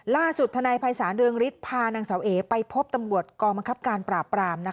ทนายภัยศาลเรืองฤทธิ์พานางเสาเอไปพบตำรวจกองบังคับการปราบปราม